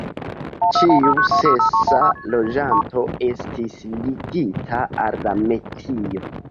Ĉiu sesa loĝanto estis ligita al la metio.